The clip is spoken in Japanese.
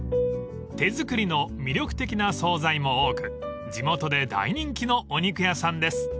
［手作りの魅力的な総菜も多く地元で大人気のお肉屋さんです］